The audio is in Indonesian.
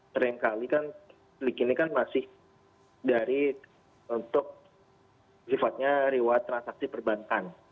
terima kasih kan sleek ini kan masih dari untuk sifatnya rewet transaksi perbankan